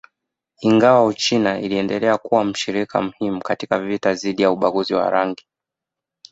Ingawa Uchina iliendelea kuwa mshirika muhimu katika vita dhidi ya ubaguzi wa rangi